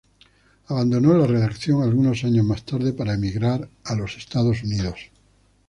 Abandonó la redacción algunos años más tarde para emigrar en Estados Unidos.